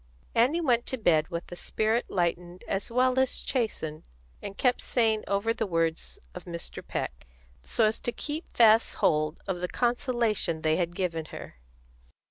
Annie went to bed with a spirit lightened as well as chastened, and kept saying over the words of Mr. Peck, so as to keep fast hold of the consolation they had given her.